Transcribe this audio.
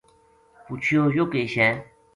پچھیو یہ کے شے